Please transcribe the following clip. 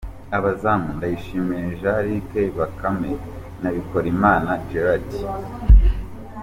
Abazamu:Ndayishimiye Jean Luc Bakame na Bikorimana Gerald ;.